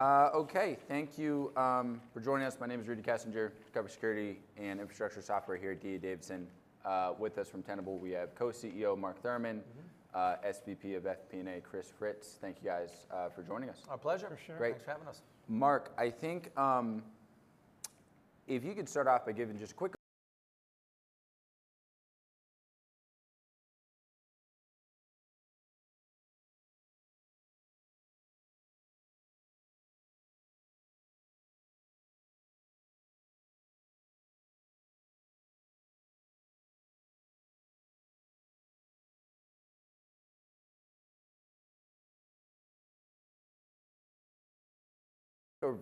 Okay, thank you for joining us. My name is Rudy Kessinger, cover security and infrastructure software here at D.A. Davidson. With us from Tenable, we have Co-CEO Mark Thurmond, SVP of FP&A, Chris Fritz. Thank you guys for joining us. Our pleasure. For sure. Thanks for having us. Mark, I think if you could start off by giving just a quick overview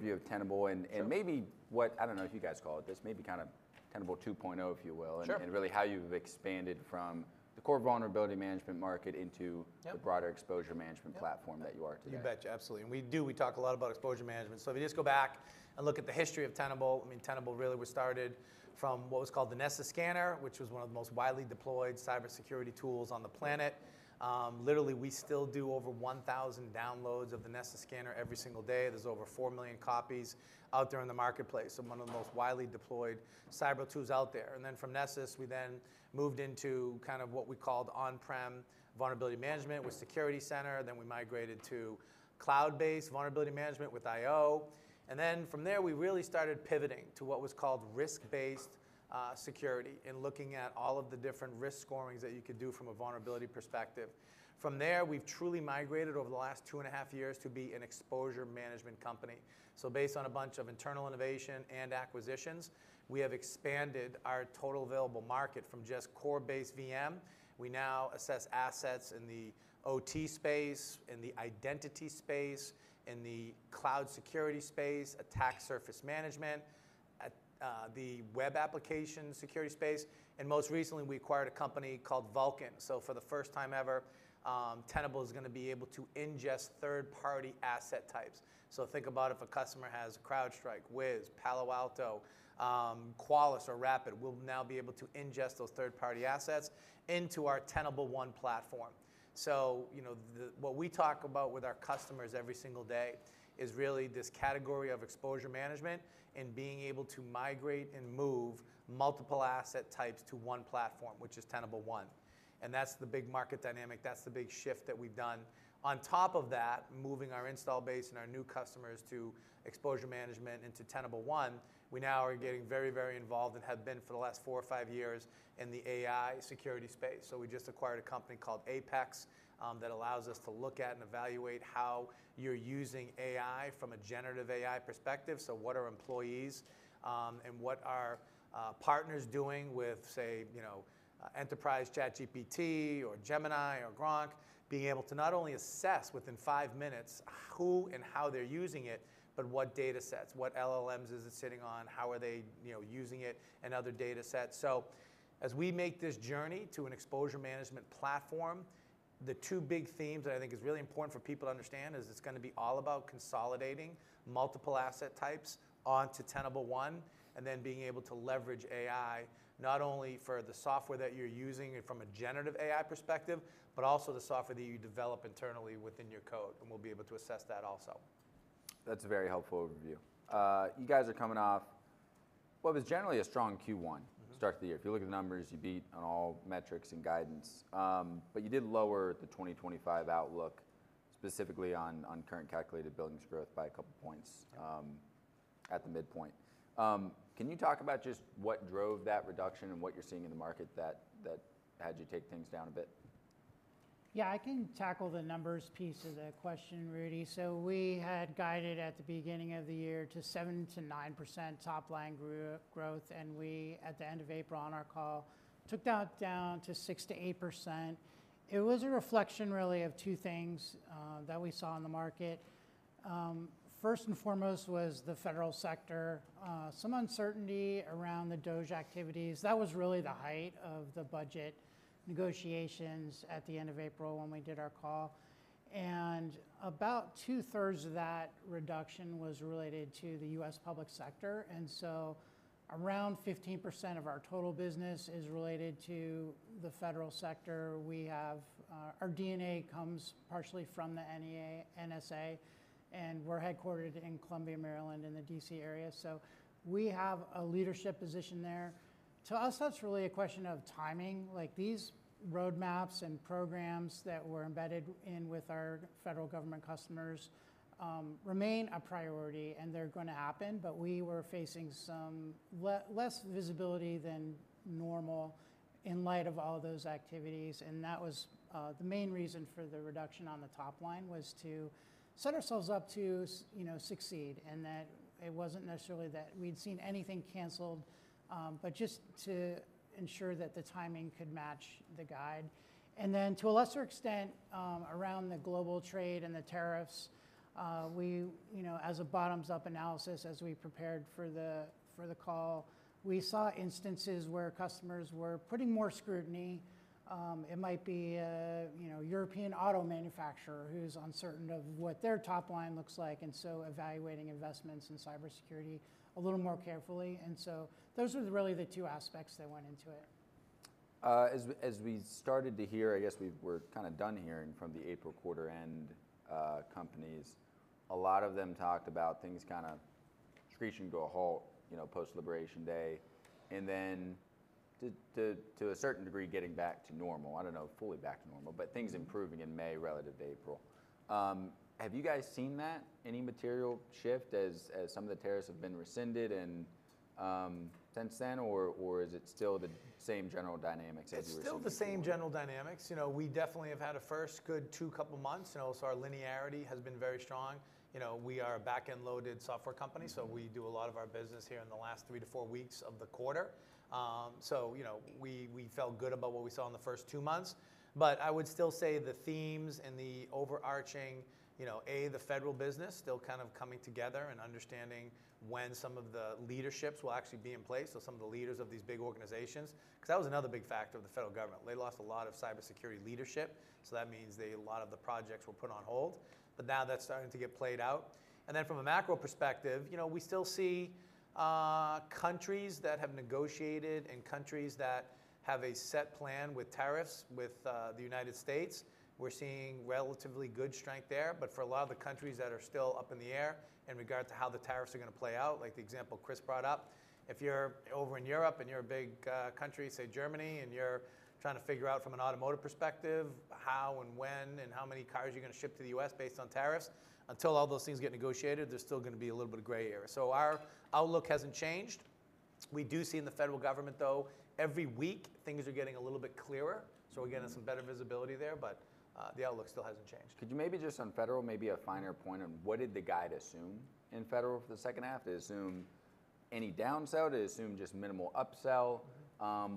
of Tenable and maybe what I don't know if you guys call it this, maybe kind of Tenable 2.0, if you will. Sure. Really how you've expanded from the core vulnerability management market into the broader exposure management platform that you are today. You betcha. Absolutely. And we do, we talk a lot about exposure management. If you just go back and look at the history of Tenable, I mean, Tenable really was started from what was called the Nessus scanner, which was one of the most widely deployed cybersecurity tools on the planet. Literally, we still do over 1,000 downloads of the Nessus scanner every single day. There are over 4 million copies out there in the marketplace. One of the most widely deployed cyber tools out there. From Nessus, we then moved into kind of what we called on-prem vulnerability management with Security Center. We migrated to cloud-based vulnerability management with AIO. From there, we really started pivoting to what was called risk-based security and looking at all of the different risk scorings that you could do from a vulnerability perspective. From there, we've truly migrated over the last two and a half years to be an exposure management company. Based on a bunch of internal innovation and acquisitions, we have expanded our total available market from just core-based VM. We now assess assets in the OT space, in the identity space, in the cloud security space, attack surface management, the web application security space. Most recently, we acquired a company called Vulcan. For the first time ever, Tenable is going to be able to ingest third-party asset types. Think about if a customer has CrowdStrike, Wiz, Palo Alto, Qualys, or Rapid, we'll now be able to ingest those third-party assets into our Tenable One platform. What we talk about with our customers every single day is really this category of exposure management and being able to migrate and move multiple asset types to one platform, which is Tenable One. That's the big market dynamic. That's the big shift that we've done. On top of that, moving our install base and our new customers to exposure management into Tenable One, we now are getting very, very involved and have been for the last four or five years in the AI security space. We just acquired a company called Apex that allows us to look at and evaluate how you're using AI from a generative AI perspective. What are employees and what are partners doing with, say, enterprise ChatGPT or Gemini or Grok, being able to not only assess within five minutes who and how they're using it, but what data sets, what LLMs is it sitting on, how are they using it, and other data sets. As we make this journey to an exposure management platform, the two big themes that I think are really important for people to understand is it's going to be all about consolidating multiple asset types onto Tenable One and then being able to leverage AI not only for the software that you're using from a generative AI perspective, but also the software that you develop internally within your code. We'll be able to assess that also. That's a very helpful overview. You guys are coming off what was generally a strong Q1 to start the year. If you look at the numbers, you beat on all metrics and guidance. You did lower the 2025 outlook specifically on current calculated billings growth by a couple of points at the midpoint. Can you talk about just what drove that reduction and what you're seeing in the market that had you take things down a bit? Yeah, I can tackle the numbers piece of the question, Rudy. We had guided at the beginning of the year to 7-9% top line growth. We, at the end of April, on our call, took that down to 6-8%. It was a reflection really of two things that we saw in the market. First and foremost was the federal sector, some uncertainty around the DOGE activities. That was really the height of the budget negotiations at the end of April when we did our call. About two-thirds of that reduction was related to the U.S. public sector. Around 15% of our total business is related to the federal sector. Our DNA comes partially from the NSA, and we're headquartered in Columbia, Maryland, in the D.C. area. We have a leadership position there. To us, that's really a question of timing. These roadmaps and programs that we're embedded in with our federal government customers remain a priority, and they're going to happen. We were facing some less visibility than normal in light of all those activities. That was the main reason for the reduction on the top line, to set ourselves up to succeed, and it wasn't necessarily that we'd seen anything canceled, just to ensure that the timing could match the guide. To a lesser extent, around the global trade and the tariffs, as a bottoms-up analysis, as we prepared for the call, we saw instances where customers were putting more scrutiny. It might be a European auto manufacturer who's uncertain of what their top line looks like, and so evaluating investments in cybersecurity a little more carefully. Those were really the two aspects that went into it. As we started to hear, I guess we were kind of done hearing from the April quarter-end companies. A lot of them talked about things kind of screeching to a halt post-liberation day and then to a certain degree getting back to normal. I don't know, fully back to normal, but things improving in May relative to April. Have you guys seen that? Any material shift as some of the tariffs have been rescinded since then, or is it still the same general dynamics as you were seeing? It's still the same general dynamics. We definitely have had a first good two couple of months. Also, our linearity has been very strong. We are a back-end loaded software company, so we do a lot of our business here in the last three to four weeks of the quarter. We felt good about what we saw in the first two months. I would still say the themes and the overarching, A, the federal business still kind of coming together and understanding when some of the leaderships will actually be in place. Some of the leaders of these big organizations, because that was another big factor of the federal government. They lost a lot of cybersecurity leadership. That means a lot of the projects were put on hold. Now that's starting to get played out. From a macro perspective, we still see countries that have negotiated and countries that have a set plan with tariffs with the United States. We're seeing relatively good strength there. For a lot of the countries that are still up in the air in regard to how the tariffs are going to play out, like the example Chris brought up, if you're over in Europe and you're a big country, say Germany, and you're trying to figure out from an automotive perspective how and when and how many cars you're going to ship to the U.S. based on tariffs, until all those things get negotiated, there's still going to be a little bit of gray area. Our outlook hasn't changed. We do see in the federal government, though, every week things are getting a little bit clearer. We're getting some better visibility there, but the outlook still hasn't changed. Could you maybe just on federal, maybe a finer point on what did the guide assume in federal for the second half? Did it assume any downsell? Did it assume just minimal upsell?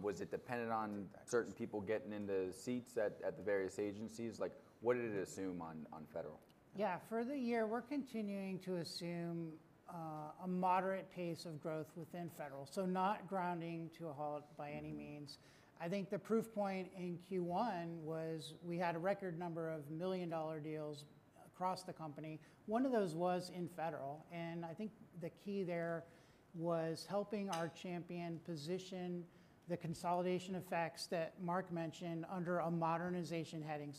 Was it dependent on certain people getting into seats at the various agencies? What did it assume on federal? Yeah, for the year, we're continuing to assume a moderate pace of growth within federal. Not grounding to a halt by any means. I think the proof point in Q1 was we had a record number of million-dollar deals across the company. One of those was in federal. I think the key there was helping our champion position the consolidation effects that Mark mentioned under a modernization heading.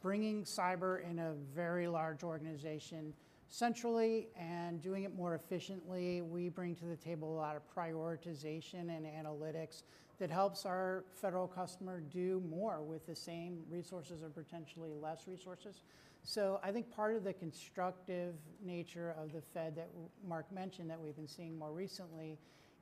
Bringing cyber in a very large organization centrally and doing it more efficiently, we bring to the table a lot of prioritization and analytics that helps our federal customer do more with the same resources or potentially less resources. I think part of the constructive nature of the Fed that Mark mentioned that we've been seeing more recently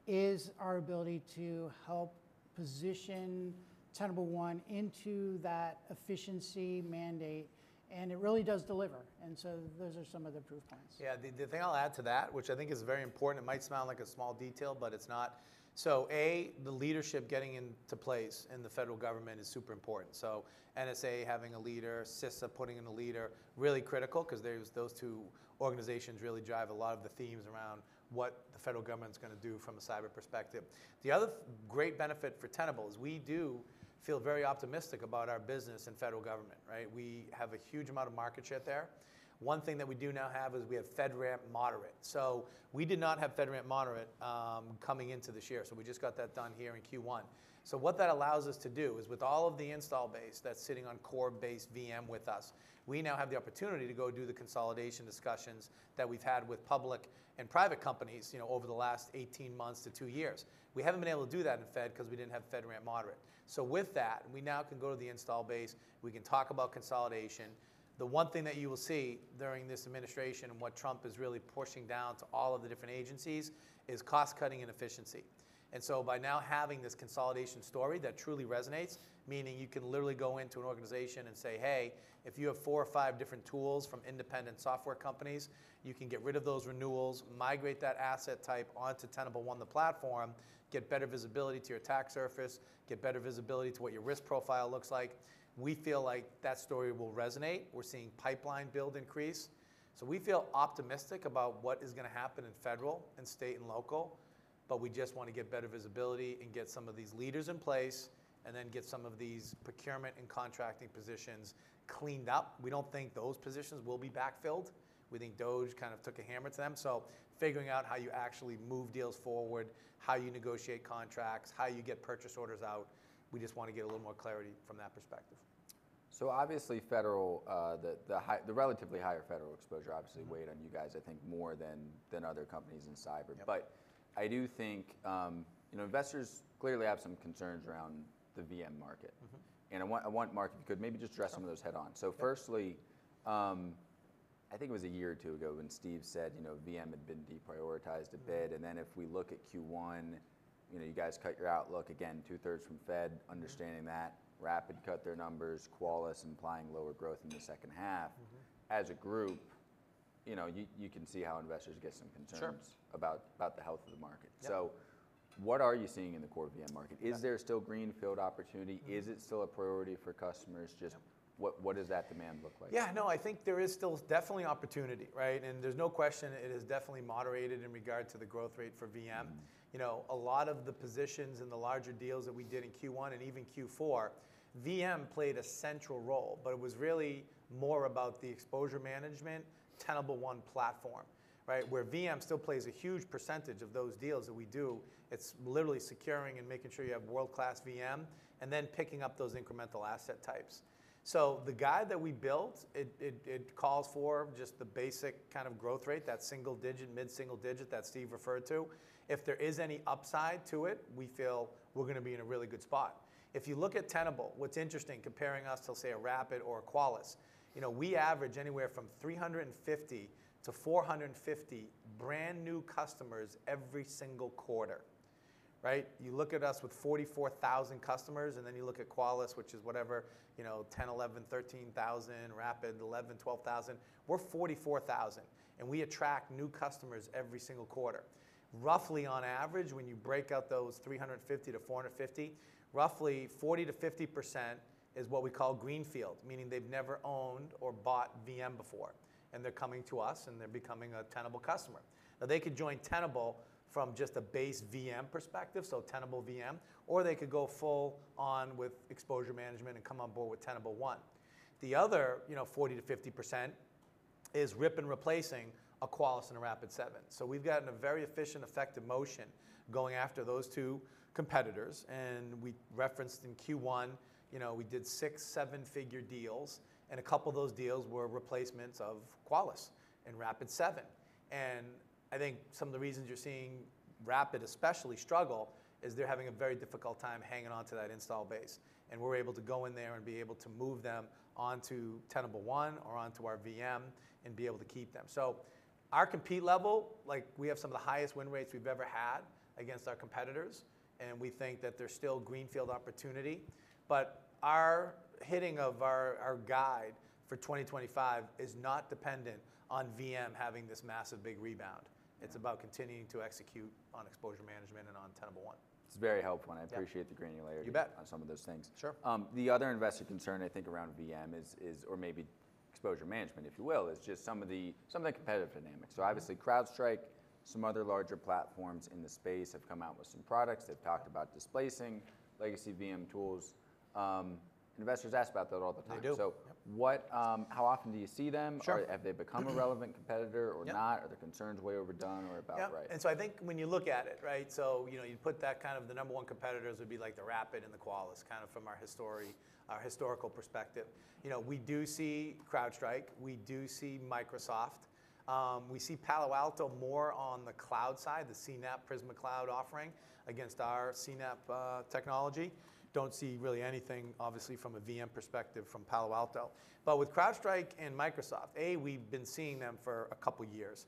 is our ability to help position Tenable One into that efficiency mandate. It really does deliver. Those are some of the proof points. Yeah, the thing I'll add to that, which I think is very important, it might sound like a small detail, but it's not. A, the leadership getting into place in the federal government is super important. NSA having a leader, CISA putting in a leader, really critical because those two organizations really drive a lot of the themes around what the federal government's going to do from a cyber perspective. The other great benefit for Tenable is we do feel very optimistic about our business in federal government. We have a huge amount of market share there. One thing that we do now have is we have FedRAMP moderate. We did not have FedRAMP moderate coming into this year. We just got that done here in Q1. What that allows us to do is with all of the install base that's sitting on core-based VM with us, we now have the opportunity to go do the consolidation discussions that we've had with public and private companies over the last 18 months to two years. We haven't been able to do that in Fed because we didn't have FedRAMP moderate. With that, we now can go to the install base. We can talk about consolidation. The one thing that you will see during this administration and what Trump is really pushing down to all of the different agencies is cost-cutting and efficiency. By now having this consolidation story that truly resonates, meaning you can literally go into an organization and say, "Hey, if you have four or five different tools from independent software companies, you can get rid of those renewals, migrate that asset type onto Tenable One, the platform, get better visibility to your attack surface, get better visibility to what your risk profile looks like." We feel like that story will resonate. We're seeing pipeline build increase. We feel optimistic about what is going to happen in federal and state and local, but we just want to get better visibility and get some of these leaders in place and then get some of these procurement and contracting positions cleaned up. We do not think those positions will be backfilled. We think DOGE kind of took a hammer to them. Figuring out how you actually move deals forward, how you negotiate contracts, how you get purchase orders out, we just want to get a little more clarity from that perspective. Obviously, the relatively higher federal exposure obviously weighed on you guys, I think, more than other companies in cyber. I do think investors clearly have some concerns around the VM market. I want Mark, if you could, maybe just address some of those head-on. Firstly, I think it was a year or two ago when Steve said VM had been deprioritized a bit. If we look at Q1, you guys cut your outlook again, two-thirds from Fed, understanding that, Rapid cut their numbers, Qualys implying lower growth in the second half. As a group, you can see how investors get some concerns about the health of the market. What are you seeing in the core VM market? Is there still greenfield opportunity? Is it still a priority for customers? Just what does that demand look like? Yeah, no, I think there is still definitely opportunity. There's no question it is definitely moderated in regard to the growth rate for VM. A lot of the positions and the larger deals that we did in Q1 and even Q4, VM played a central role, but it was really more about the exposure management, Tenable One platform, where VM still plays a huge percentage of those deals that we do. It's literally securing and making sure you have world-class VM and then picking up those incremental asset types. The guide that we built, it calls for just the basic kind of growth rate, that single digit, mid-single digit that Steve referred to. If there is any upside to it, we feel we're going to be in a really good spot. If you look at Tenable, what's interesting comparing us to, say, a Rapid or a Qualys, we average anywhere from 350-450 brand new customers every single quarter. You look at us with 44,000 customers, and then you look at Qualys, which is whatever, 10, 11, 13,000, Rapid, 11, 12,000. We're 44,000. We attract new customers every single quarter. Roughly on average, when you break out those 350-450, roughly 40%-50% is what we call greenfield, meaning they've never owned or bought VM before. They're coming to us, and they're becoming a Tenable customer. Now, they could join Tenable from just a base VM perspective, so Tenable VM, or they could go full on with exposure management and come on board with Tenable One. The other 40%-50% is rip and replacing a Qualys and a Rapid7. We've gotten a very efficient, effective motion going after those two competitors. We referenced in Q1, we did six, seven-figure deals, and a couple of those deals were replacements of Qualys and Rapid7. I think some of the reasons you're seeing Rapid especially struggle is they're having a very difficult time hanging on to that install base. We're able to go in there and be able to move them onto Tenable One or onto our VM and be able to keep them. Our compete level, we have some of the highest win rates we've ever had against our competitors. We think that there's still greenfield opportunity. Our hitting of our guide for 2025 is not dependent on VM having this massive big rebound. It's about continuing to execute on exposure management and on Tenable One. It's very helpful, and I appreciate the granularity on some of those things. You bet. Sure. The other investor concern, I think, around VM is, or maybe exposure management, if you will, is just some of the competitive dynamics. Obviously, CrowdStrike, some other larger platforms in the space have come out with some products. They have talked about displacing legacy VM tools. Investors ask about that all the time. They do. Yep. How often do you see them? Have they become a relevant competitor or not? Are the concerns way overdone or about right? Yeah. I think when you look at it, you put that kind of the number one competitors would be like the Rapid and the Qualys kind of from our historical perspective. We do see CrowdStrike. We do see Microsoft. We see Palo Alto more on the cloud side, the CNAPP, Prisma Cloud offering against our CNAPP technology. Do not see really anything, obviously, from a VM perspective from Palo Alto. With CrowdStrike and Microsoft, A, we've been seeing them for a couple of years.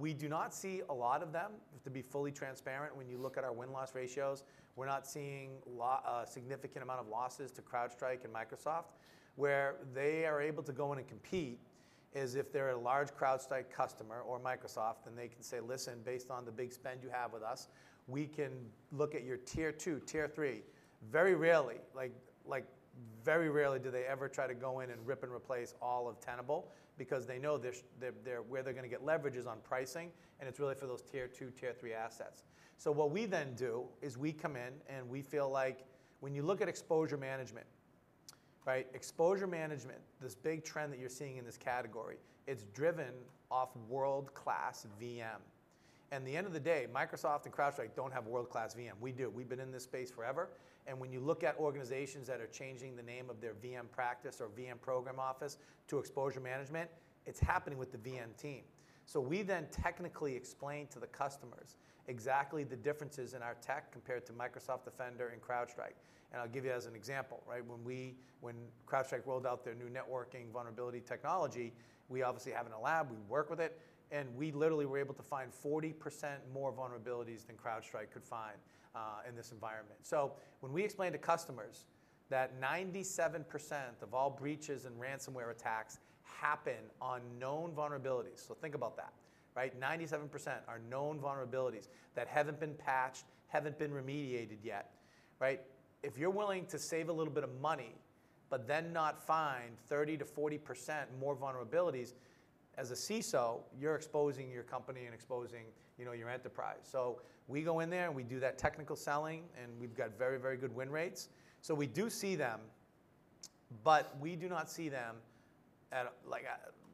We do not see a lot of them. To be fully transparent, when you look at our win-loss ratios, we're not seeing a significant amount of losses to CrowdStrike and Microsoft. Where they are able to go in and compete is if they're a large CrowdStrike customer or Microsoft, then they can say, "Listen, based on the big spend you have with us, we can look at your tier two, tier three." Very rarely, very rarely do they ever try to go in and rip and replace all of Tenable because they know where they're going to get leverages on pricing. And it's really for those tier two, tier three assets. What we then do is we come in and we feel like when you look at exposure management, exposure management, this big trend that you're seeing in this category, it's driven off world-class VM. At the end of the day, Microsoft and CrowdStrike don't have world-class VM. We do. We've been in this space forever. When you look at organizations that are changing the name of their VM practice or VM program office to exposure management, it's happening with the VM team. We then technically explain to the customers exactly the differences in our tech compared to Microsoft Defender and CrowdStrike. I'll give you as an example. When CrowdStrike rolled out their new networking vulnerability technology, we obviously have it in a lab. We work with it. We literally were able to find 40% more vulnerabilities than CrowdStrike could find in this environment. We explain to customers that 97% of all breaches and ransomware attacks happen on known vulnerabilities, so think about that, 97% are known vulnerabilities that haven't been patched, haven't been remediated yet. If you're willing to save a little bit of money, but then not find 30%-40% more vulnerabilities, as a CISO, you're exposing your company and exposing your enterprise. We go in there and we do that technical selling, and we've got very, very good win rates. We do see them, but we do not see them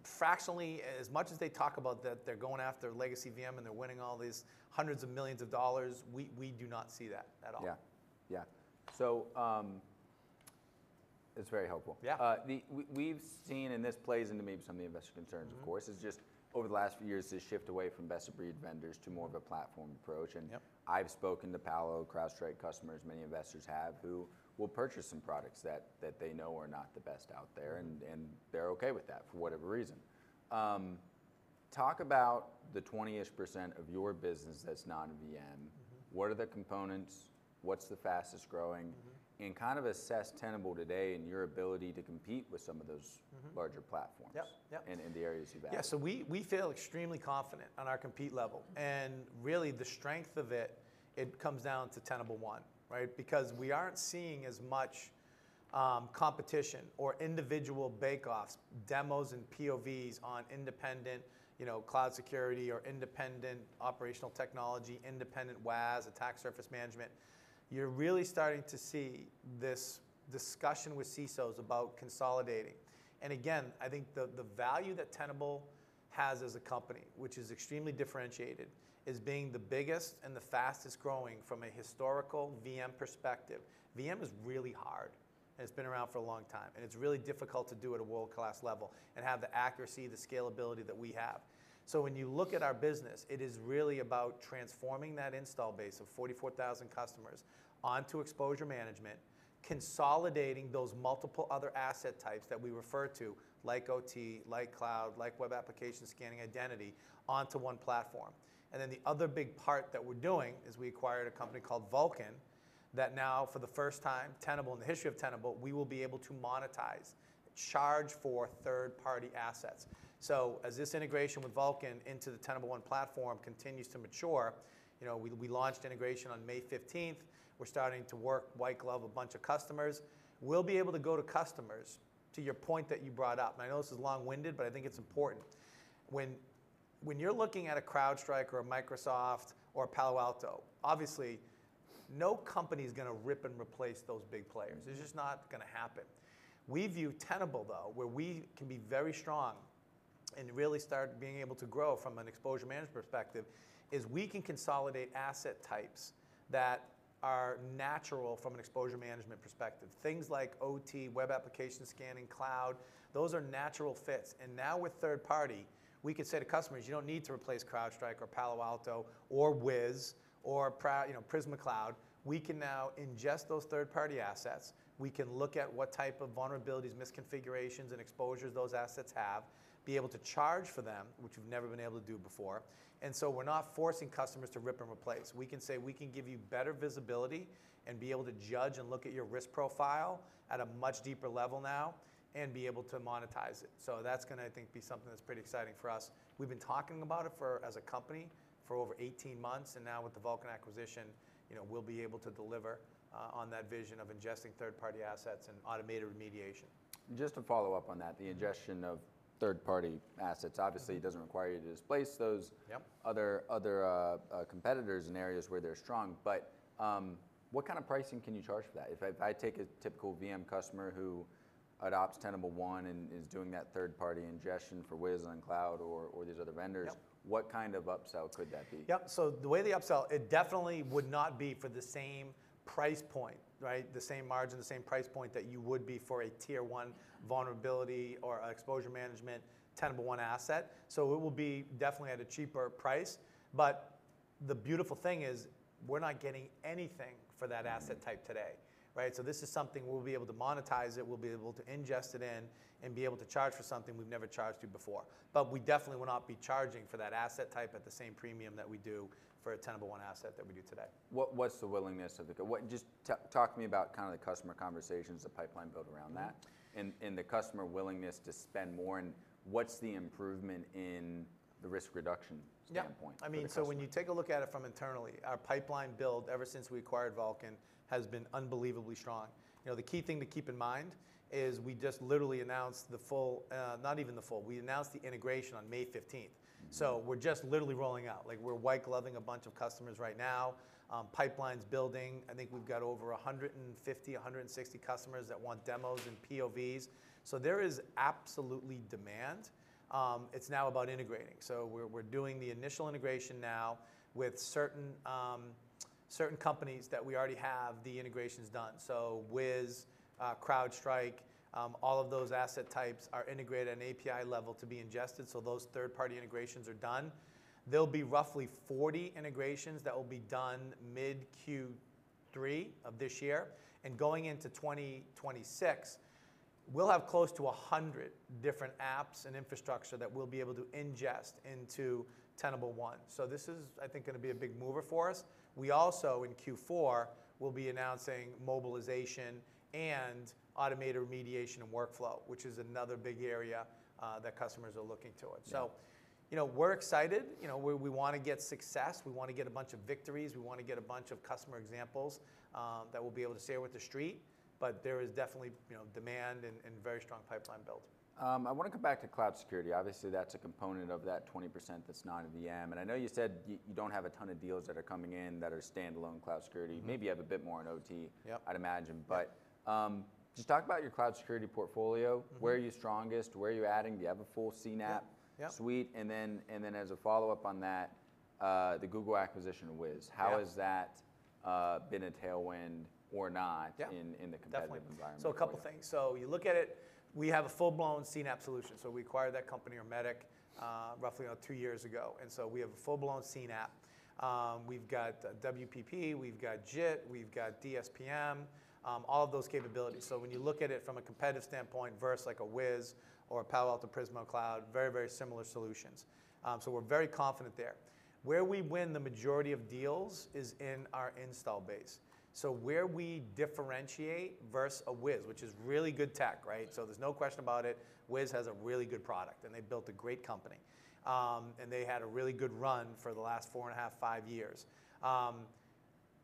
fractionally as much as they talk about that they're going after legacy VM and they're winning all these hundreds of millions of dollars. We do not see that at all. Yeah. Yeah. So it's very helpful. Yeah. We've seen, and this plays into maybe some of the investor concerns, of course, just over the last few years, this shift away from best-of-breed vendors to more of a platform approach. I've spoken to Palo, CrowdStrike customers, many investors have, who will purchase some products that they know are not the best out there, and they're okay with that for whatever reason. Talk about the 20% of your business that's non-VM. What are the components? What's the fastest growing? And kind of assess Tenable today and your ability to compete with some of those larger platforms and the areas you've added. Yeah. We feel extremely confident on our compete level. Really, the strength of it comes down to Tenable One because we are not seeing as much competition or individual bake-offs, demos, and POVs on independent cloud security or independent operational technology, independent WAS, attack surface management. You are really starting to see this discussion with CISOs about consolidating. I think the value that Tenable has as a company, which is extremely differentiated, is being the biggest and the fastest growing from a historical VM perspective. VM is really hard, and it has been around for a long time. It is really difficult to do at a world-class level and have the accuracy, the scalability that we have. When you look at our business, it is really about transforming that install base of 44,000 customers onto exposure management, consolidating those multiple other asset types that we refer to like OT, like cloud, like web application scanning, identity onto one platform. The other big part that we're doing is we acquired a company called Vulcan that now, for the first time, Tenable, in the history of Tenable, we will be able to monetize, charge for third-party assets. As this integration with Vulcan into the Tenable One platform continues to mature, we launched integration on May 15th. We're starting to work white glove a bunch of customers. We'll be able to go to customers to your point that you brought up. I know this is long-winded, but I think it's important. When you're looking at a CrowdStrike or a Microsoft or a Palo Alto, obviously, no company is going to rip and replace those big players. It's just not going to happen. We view Tenable, though, where we can be very strong and really start being able to grow from an exposure management perspective, is we can consolidate asset types that are natural from an exposure management perspective. Things like OT, web application scanning, cloud, those are natural fits. Now with third party, we can say to customers, "You don't need to replace CrowdStrike or Palo Alto or Wiz or Prisma Cloud." We can now ingest those third-party assets. We can look at what type of vulnerabilities, misconfigurations, and exposures those assets have, be able to charge for them, which we've never been able to do before. We are not forcing customers to rip and replace. We can say, "We can give you better visibility and be able to judge and look at your risk profile at a much deeper level now and be able to monetize it." That is going to, I think, be something that's pretty exciting for us. We've been talking about it as a company for over 18 months. Now with the Vulcan acquisition, we'll be able to deliver on that vision of ingesting third-party assets and automated remediation. Just to follow up on that, the ingestion of third-party assets, obviously, it does not require you to displace those other competitors in areas where they are strong. What kind of pricing can you charge for that? If I take a typical VM customer who adopts Tenable One and is doing that third-party ingestion for Wiz and Cloud or these other vendors, what kind of upsell could that be? Yep. The way the upsell, it definitely would not be for the same price point, the same margin, the same price point that you would be for a tier one vulnerability or exposure management Tenable One asset. It will be definitely at a cheaper price. The beautiful thing is we're not getting anything for that asset type today. This is something we'll be able to monetize. We'll be able to ingest it in and be able to charge for something we've never charged you before. We definitely will not be charging for that asset type at the same premium that we do for a Tenable One asset that we do today. What's the willingness of the customer? Just talk to me about kind of the customer conversations, the pipeline build around that, and the customer willingness to spend more. What's the improvement in the risk reduction standpoint? Yeah. I mean, when you take a look at it from internally, our pipeline build ever since we acquired Vulcan has been unbelievably strong. The key thing to keep in mind is we just literally announced the full, not even the full, we announced the integration on May 15th. We are just literally rolling out. We are white gloving a bunch of customers right now, pipeline is building. I think we have got over 150, 160 customers that want demos and POVs. There is absolutely demand. It is now about integrating. We are doing the initial integration now with certain companies that we already have the integrations done. Wiz, CrowdStrike, all of those asset types are integrated at an API level to be ingested. Those third-party integrations are done. There will be roughly 40 integrations that will be done mid-Q3 of this year. Going into 2026, we'll have close to 100 different apps and infrastructure that we'll be able to ingest into Tenable One. This is, I think, going to be a big mover for us. We also, in Q4, will be announcing mobilization and automated remediation and workflow, which is another big area that customers are looking towards. We're excited. We want to get success. We want to get a bunch of victories. We want to get a bunch of customer examples that we'll be able to share with the street. There is definitely demand and very strong pipeline build. I want to come back to cloud security. Obviously, that's a component of that 20% that's non-VM. I know you said you don't have a ton of deals that are coming in that are standalone cloud security. Maybe you have a bit more in OT, I'd imagine. Just talk about your cloud security portfolio. Where are you strongest? Where are you adding? Do you have a full CNAPP suite? As a follow-up on that, the Google acquisition of Wiz, how has that been a tailwind or not in the competitive environment? Definitely. A couple of things. You look at it, we have a full-blown CNAPP solution. We acquired that company, Ermetic, roughly two years ago. We have a full-blown CNAPP. We have got CWPP. We have got JIT. We have got DSPM, all of those capabilities. When you look at it from a competitive standpoint versus like a Wiz or a Palo Alto Prisma Cloud, very, very similar solutions. We are very confident there. Where we win the majority of deals is in our install base. Where we differentiate versus a Wiz, which is really good tech, there is no question about it, Wiz has a really good product. They built a great company. They had a really good run for the last four and a half, five years.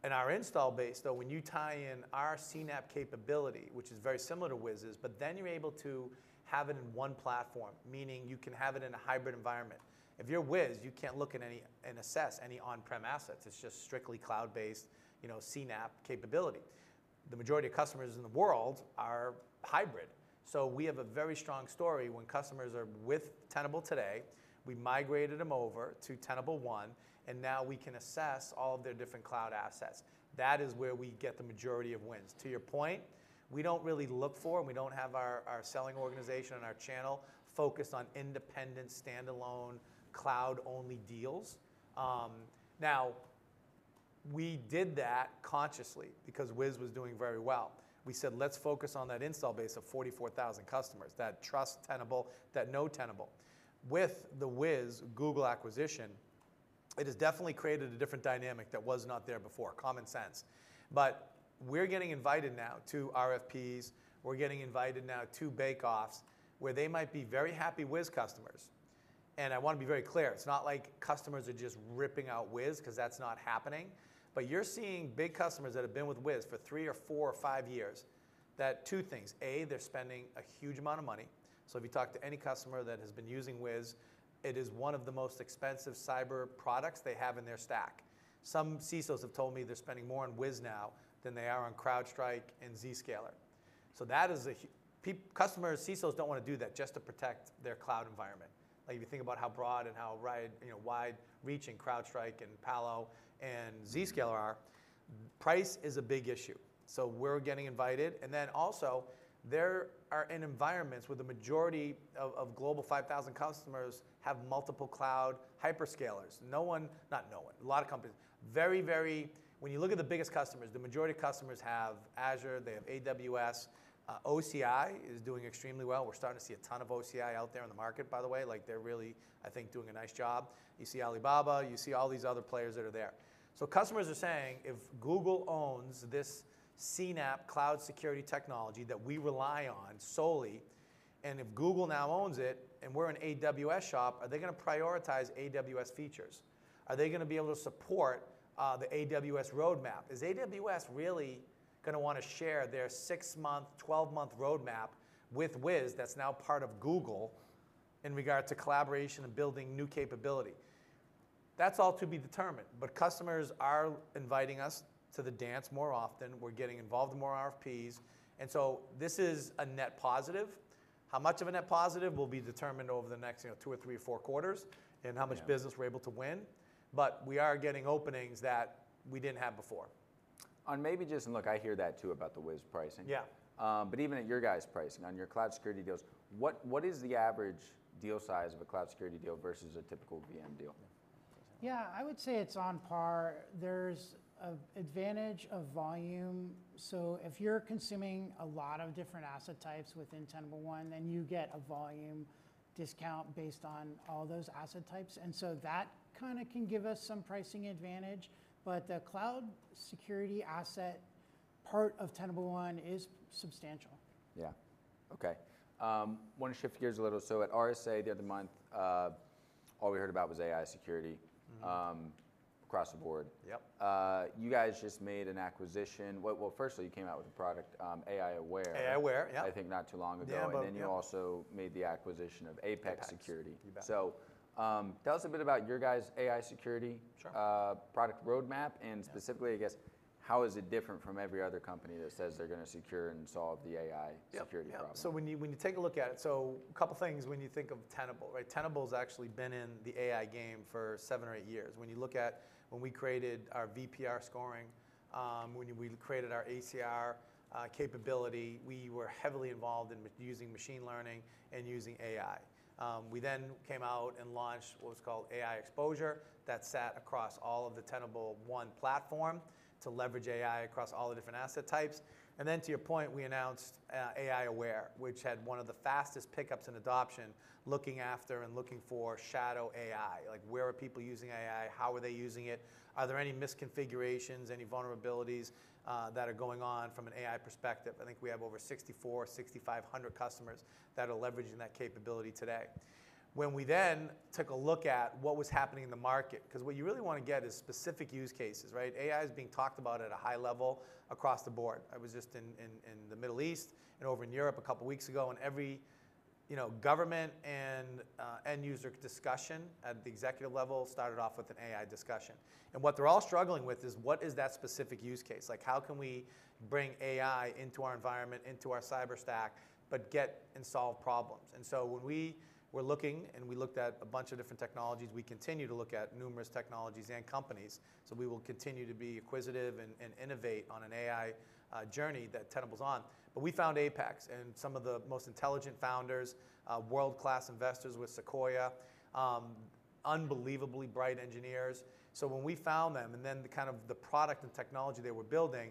In our install base, though, when you tie in our CNAPP capability, which is very similar to Wiz's, but then you're able to have it in one platform, meaning you can have it in a hybrid environment. If you're Wiz, you can't look at and assess any on-prem assets. It's just strictly cloud-based CNAPP capability. The majority of customers in the world are hybrid. We have a very strong story when customers are with Tenable today. We migrated them over to Tenable One. Now we can assess all of their different cloud assets. That is where we get the majority of wins. To your point, we don't really look for, and we don't have our selling organization and our channel focused on independent, standalone, cloud-only deals. We did that consciously because Wiz was doing very well. We said, "Let's focus on that install base of 44,000 customers that trust Tenable, that know Tenable." With the Wiz Google acquisition, it has definitely created a different dynamic that was not there before, common sense. We are getting invited now to RFPs. We are getting invited now to bake-offs where they might be very happy Wiz customers. I want to be very clear. It is not like customers are just ripping out Wiz because that is not happening. You are seeing big customers that have been with Wiz for three or four or five years that two things. A, they are spending a huge amount of money. If you talk to any customer that has been using Wiz, it is one of the most expensive cyber products they have in their stack. Some CISOs have told me they are spending more on Wiz now than they are on CrowdStrike and Zscaler. Customers, CISOs do not want to do that just to protect their cloud environment. If you think about how broad and how wide-reaching CrowdStrike and Palo and Zscaler are, price is a big issue. We are getting invited. There are environments where the majority of Global 5000 customers have multiple cloud hyperscalers. Not no one, a lot of companies. When you look at the biggest customers, the majority of customers have Azure. They have AWS. OCI is doing extremely well. We are starting to see a ton of OCI out there in the market, by the way. They are really, I think, doing a nice job. You see Alibaba. You see all these other players that are there. Customers are saying, "If Google owns this CNAPP cloud security technology that we rely on solely, and if Google now owns it and we're an AWS shop, are they going to prioritize AWS features? Are they going to be able to support the AWS roadmap? Is AWS really going to want to share their 6-month, 12-month roadmap with Wiz that's now part of Google in regard to collaboration and building new capability?" That is all to be determined. Customers are inviting us to the dance more often. We're getting involved in more RFPs. This is a net positive. How much of a net positive will be determined over the next two or three or four quarters and how much business we're able to win. We are getting openings that we did not have before. On maybe just, and look, I hear that too about the Wiz pricing. Even at your guys' pricing, on your cloud security deals, what is the average deal size of a cloud security deal versus a typical VM deal? Yeah. I would say it's on par. There's an advantage of volume. If you're consuming a lot of different asset types within Tenable One, then you get a volume discount based on all those asset types. That kind of can give us some pricing advantage. The cloud security asset part of Tenable One is substantial. Yeah. Okay. I want to shift gears a little. At RSA the other month, all we heard about was AI security across the board. You guys just made an acquisition. Firstly, you came out with a product, AI Aware. AI Aware, yep. I think not too long ago. Yeah, but that's. You also made the acquisition of Apex Security. You bet. Tell us a bit about your guys' AI security product roadmap. And specifically, I guess, how is it different from every other company that says they're going to secure and solve the AI security problem? Yeah. When you take a look at it, a couple of things when you think of Tenable. Tenable has actually been in the AI game for seven or eight years. When you look at when we created our VPR scoring, when we created our ACR capability, we were heavily involved in using machine learning and using AI. We then came out and launched what was called AI Exposure that sat across all of the Tenable One platform to leverage AI across all the different asset types. To your point, we announced AI Aware, which had one of the fastest pickups in adoption, looking after and looking for shadow AI. Where are people using AI? How are they using it? Are there any misconfigurations, any vulnerabilities that are going on from an AI perspective? I think we have over 6,400-6,500 customers that are leveraging that capability today. When we then took a look at what was happening in the market, because what you really want to get is specific use cases, AI is being talked about at a high level across the board. I was just in the Middle East and over in Europe a couple of weeks ago. Every government and end user discussion at the executive level started off with an AI discussion. What they're all struggling with is, what is that specific use case? How can we bring AI into our environment, into our cyber stack, but get and solve problems? When we were looking and we looked at a bunch of different technologies, we continue to look at numerous technologies and companies. We will continue to be acquisitive and innovate on an AI journey that Tenable's on. We found Apex and some of the most intelligent founders, world-class investors with Sequoia, unbelievably bright engineers. When we found them and then the kind of the product and technology they were building,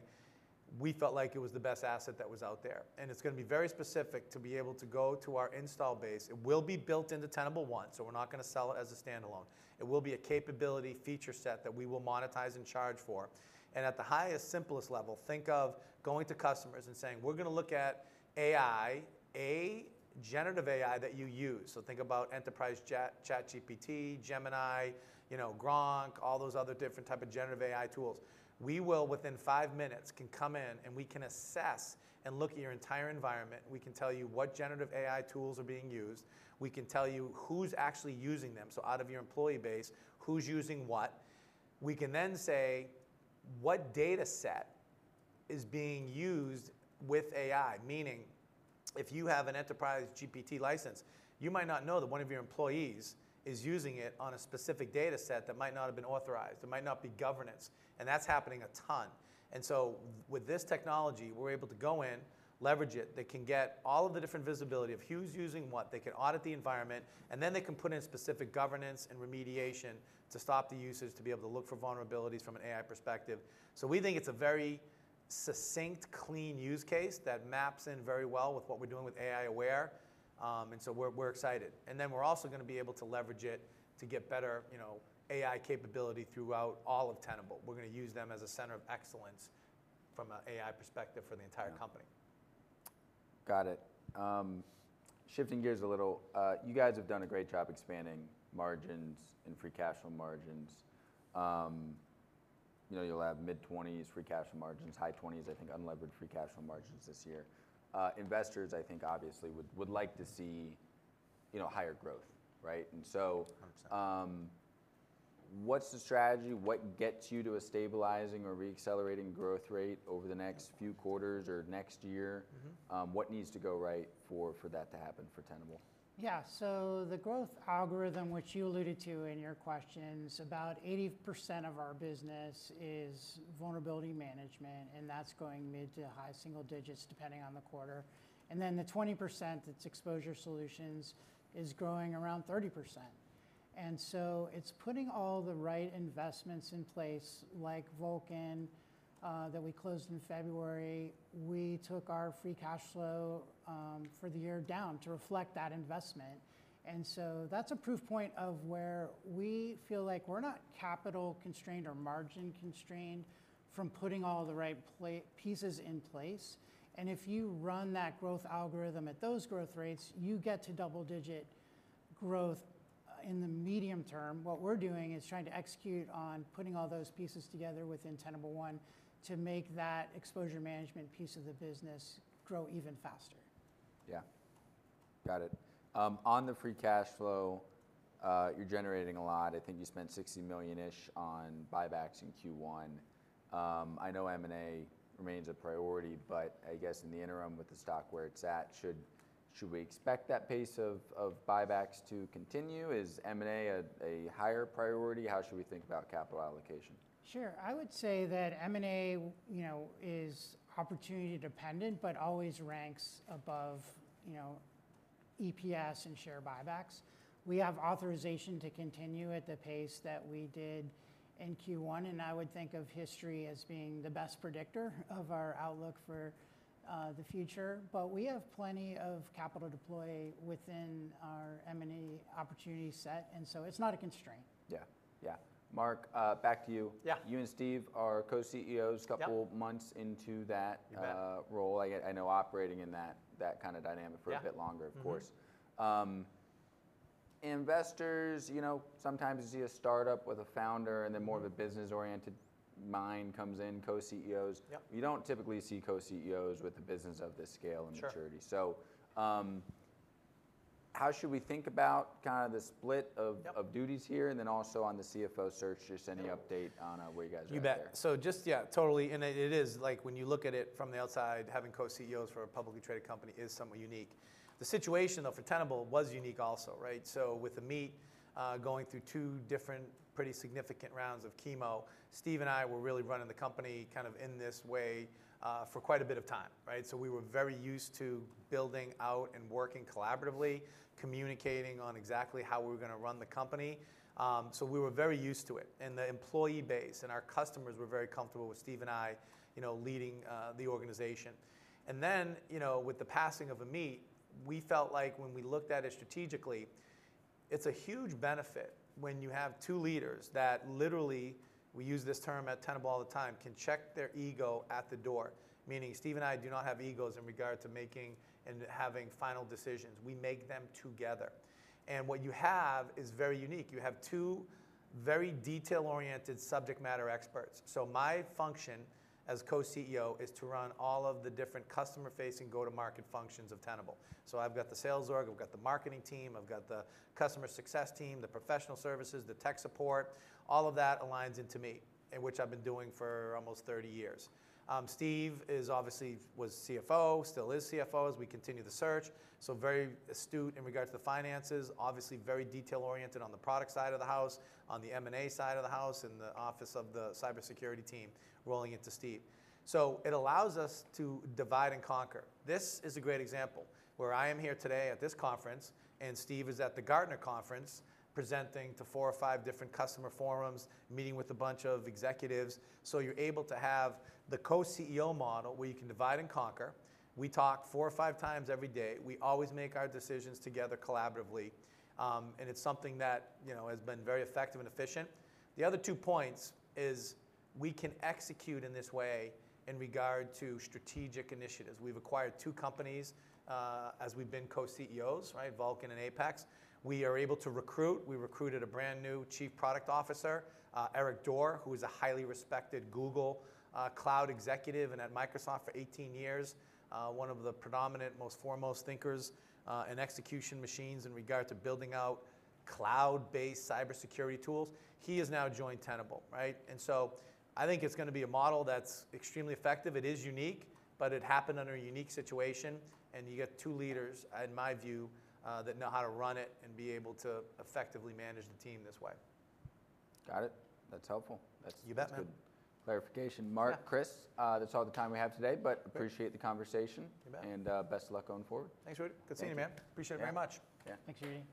we felt like it was the best asset that was out there. It is going to be very specific to be able to go to our install base. It will be built into Tenable One, so we're not going to sell it as a standalone. It will be a capability feature set that we will monetize and charge for. At the highest, simplest level, think of going to customers and saying, "We're going to look at AI, a generative AI that you use." Think about enterprise ChatGPT, Gemini, Grok, all those other different types of generative AI tools. We will, within five minutes, can come in and we can assess and look at your entire environment. We can tell you what generative AI tools are being used. We can tell you who's actually using them. Out of your employee base, who's using what? We can then say, "What data set is being used with AI?" Meaning, if you have an enterprise GPT license, you might not know that one of your employees is using it on a specific data set that might not have been authorized. It might not be governance. That's happening a ton. With this technology, we're able to go in, leverage it. They can get all of the different visibility of who's using what. They can audit the environment. They can put in specific governance and remediation to stop the usage, to be able to look for vulnerabilities from an AI perspective. We think it's a very succinct, clean use case that maps in very well with what we're doing with AI Aware. We're excited. We're also going to be able to leverage it to get better AI capability throughout all of Tenable. We're going to use them as a center of excellence from an AI perspective for the entire company. Got it. Shifting gears a little, you guys have done a great job expanding margins and free cash flow margins. You'll have mid-20s free cash flow margins, high 20s, I think unleveraged free cash flow margins this year. Investors, I think, obviously would like to see higher growth. What is the strategy? What gets you to a stabilizing or reaccelerating growth rate over the next few quarters or next year? What needs to go right for that to happen for Tenable? Yeah. The growth algorithm, which you alluded to in your questions, about 80% of our business is vulnerability management. That's going mid to high single digits, depending on the quarter. The 20% that's exposure solutions is growing around 30%. It's putting all the right investments in place, like Vulcan that we closed in February. We took our free cash flow for the year down to reflect that investment. That's a proof point of where we feel like we're not capital constrained or margin constrained from putting all the right pieces in place. If you run that growth algorithm at those growth rates, you get to double-digit growth in the medium term. What we're doing is trying to execute on putting all those pieces together within Tenable One to make that exposure management piece of the business grow even faster. Yeah. Got it. On the free cash flow, you're generating a lot. I think you spent $60 million-ish on buybacks in Q1. I know M&A remains a priority, but I guess in the interim with the stock where it's at, should we expect that pace of buybacks to continue? Is M&A a higher priority? How should we think about capital allocation? Sure. I would say that M&A is opportunity dependent, but always ranks above EPS and share buybacks. We have authorization to continue at the pace that we did in Q1. I would think of history as being the best predictor of our outlook for the future. We have plenty of capital to deploy within our M&A opportunity set. It is not a constraint. Yeah. Yeah. Mark, back to you. You and Steve are co-CEOs a couple of months into that role. I know operating in that kind of dynamic for a bit longer, of course. Investors, sometimes you see a startup with a founder, and then more of a business-oriented mind comes in, co-CEOs. You do not typically see co-CEOs with the business of this scale and maturity. How should we think about kind of the split of duties here? Also on the CFO search, just any update on where you guys are there? You bet. Just, yeah, totally. It is like when you look at it from the outside, having co-CEOs for a publicly traded company is somewhat unique. The situation, though, for Tenable was unique also. With Amit going through two different pretty significant rounds of chemo, Steve and I were really running the company kind of in this way for quite a bit of time. We were very used to building out and working collaboratively, communicating on exactly how we were going to run the company. We were very used to it. The employee base and our customers were very comfortable with Steve and I leading the organization. With the passing of Amit, we felt like when we looked at it strategically, it's a huge benefit when you have two leaders that literally, we use this term at Tenable all the time, can check their ego at the door. Meaning Steve and I do not have egos in regard to making and having final decisions. We make them together. What you have is very unique. You have two very detail-oriented subject matter experts. My function as co-CEO is to run all of the different customer-facing go-to-market functions of Tenable. I've got the sales org, I've got the marketing team, I've got the customer success team, the professional services, the tech support. All of that aligns into me, which I've been doing for almost 30 years. Steve obviously was CFO, still is CFO as we continue the search. Very astute in regard to the finances, obviously very detail-oriented on the product side of the house, on the M&A side of the house, and the office of the cybersecurity team rolling into Steve. It allows us to divide and conquer. This is a great example where I am here today at this conference, and Steve is at the Gartner Conference presenting to four or five different customer forums, meeting with a bunch of executives. You are able to have the co-CEO model where you can divide and conquer. We talk four or five times every day. We always make our decisions together collaboratively. It is something that has been very effective and efficient. The other two points is we can execute in this way in regard to strategic initiatives. We have acquired two companies as we have been co-CEOs, Vulcan and Apex. We are able to recruit. We recruited a brand new Chief Product Officer, Eric Doerr, who is a highly respected Google Cloud executive and at Microsoft for 18 years, one of the predominant, most foremost thinkers in execution machines in regard to building out cloud-based cybersecurity tools. He has now joined Tenable. I think it's going to be a model that's extremely effective. It is unique, but it happened under a unique situation. You get two leaders, in my view, that know how to run it and be able to effectively manage the team this way. Got it. That's helpful. That's good clarification. Mark, Chris, that's all the time we have today, but appreciate the conversation. Best of luck going forward. Thanks, Rudy. Good seeing you, man. Appreciate it very much. Thanks. Thanks for your.